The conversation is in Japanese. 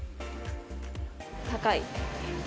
高い。